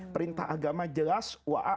perintah agama jelas